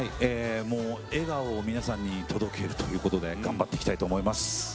笑顔を皆さんに届けるということで頑張っていきたいと思います。